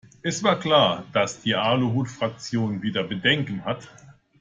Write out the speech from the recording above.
Es war klar, dass die Aluhutfraktion wieder Bedenken hat.